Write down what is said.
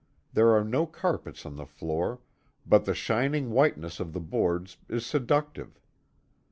There are no carpets on the floor, but the shining whiteness of the boards is seductive.